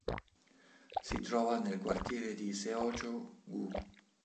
Si trova nel quartiere di Seocho-gu.